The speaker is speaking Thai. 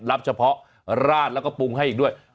เฉพาะราดแล้วก็ปรุงให้อีกด้วย